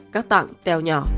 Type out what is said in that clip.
các tạng teo nhỏ